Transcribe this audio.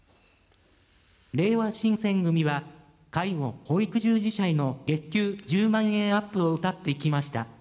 れいわ新選組は、介護、保育従事者への月給１０万円アップをうたってきました。